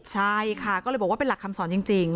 ใช่ค่ะก็เลยบอกว่าเป็นหลักคำสอนจริง